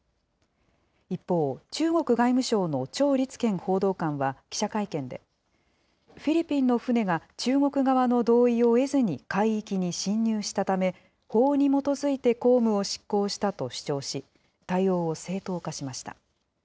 一方、中国外務省の趙立堅報道官は、記者会見で、フィリピンの船が中国側の同意を得ずに海域に侵入したため、法に基づいて公務を執行したと主張し、対応を正当化しました。